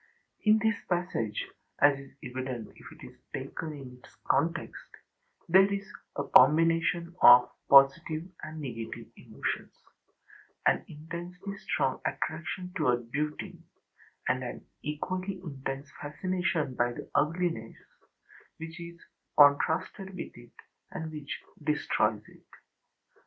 In this passage (as is evident if it is taken in its context) there is a combination of positive and negative emotions: an intensely strong attraction toward beauty and an equally intense fascination by the ugliness which is contrasted with it and which destroys it.